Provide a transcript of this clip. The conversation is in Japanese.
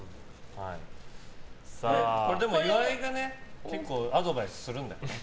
でも、岩井がね結構、アドバイスするんだけど。